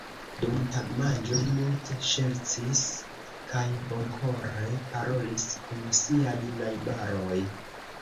Dum tagmanĝo li multe ŝercis kaj bonkore parolis kun siaj najbaroj.